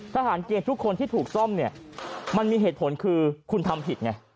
ทหารเกณฑ์ทุกคนที่ถูกซ่อมเนี่ยมันมีเหตุผลคือคุณทำผิดไง